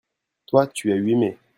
toi, tu as eu aimé.